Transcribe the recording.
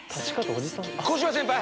小芝先輩！